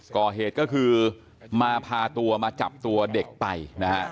ก่อเหตุก็คือมาพาตัวมาจับตัวเด็กไปนะฮะ